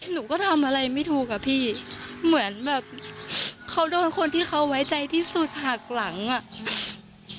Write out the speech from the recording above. หนูก็ทำอะไรไม่ถูกอ่ะพี่เหมือนแบบเขาโดนคนที่เขาไว้ใจที่สุดหักหลังอ่ะ